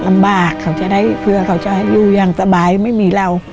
ลำบากเขาจะได้เผื่อเขาจะอยู่อย่างสบายไม่มีเรา